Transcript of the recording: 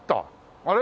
あれ？